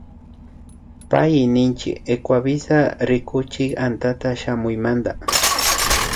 Payki ninchi Ecuavisa rikuchik antata shamuymanta